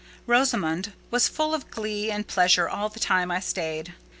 Rosamond was full of glee and pleasure all the time I stayed.